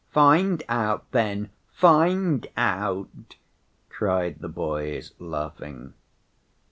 "Find out then, find out," cried the boys, laughing.